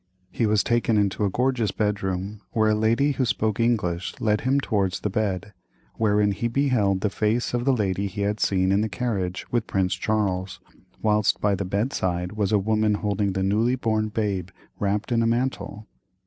He was taken into a gorgeous bedroom, where a lady who spoke English led him towards the bed, wherein he beheld the face of the lady he had seen in the carriage with Prince Charles, whilst by the bedside was a woman holding the newly born babe wrapped in a mantle.